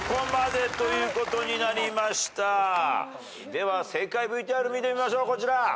では正解ＶＴＲ見てみましょうこちら。